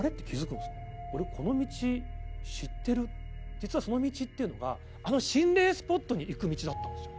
実はその道っていうのがあの心霊スポットに行く道だったんですよ。